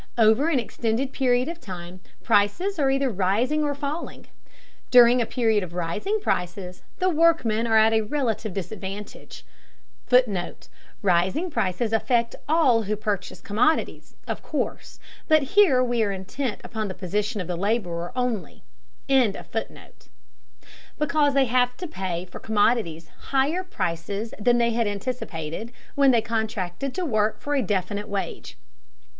Over any extended period of time prices are either rising or falling. During a period of rising prices the workmen are at a relative disadvantage, [Footnote: Rising prices affect all who purchase commodities, of course, but here we are intent upon the position of the laborer only.] because they have to pay for commodities higher prices than they had anticipated when they contracted to work for a definite wage.